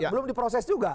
belum diproses juga